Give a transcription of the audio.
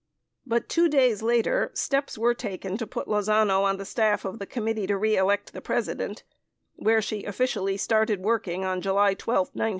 26 But 2 days later steps were taken to put Lozano on the staff of the Committee To Re Elect the President where she officially started work ing on July 12, 1972.